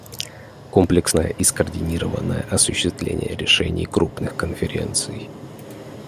Комплексное и скоординированное осуществление решений крупных конференций.